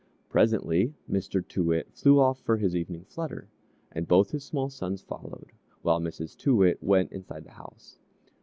Presently Mr. Too Wit flew off for his evening flutter, and both his small sons followed, while Mrs. Too Wit went inside the house.